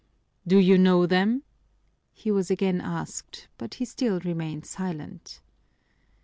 "Do you know them?" he was again asked, but he still remained silent.